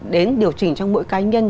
đến điều chỉnh trong mỗi cái nhân